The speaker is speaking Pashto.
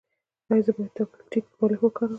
ایا زه باید ټیټ بالښت وکاروم؟